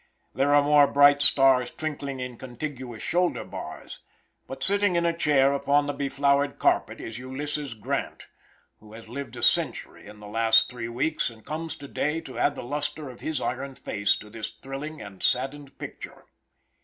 There are many more bright stars twinkling in contiguous shoulder bars, but sitting in a chair upon the beflowered carpet is Ulysses Grant, who has lived a century in the last three weeks and comes to day to add the luster of his iron face to this thrilling and saddened picture.